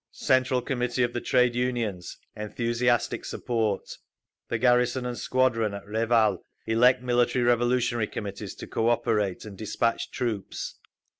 Central Committee of the Trade Unions—enthusiastic support. The garrison and squadron at Reval elect Military Revolutionary Committees to cooperate, and despatch troops.